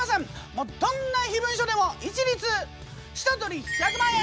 もうどんな秘文書でも一律下取り１００万円！